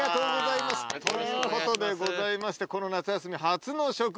ということでございましてこの『夏休み』初の食事は。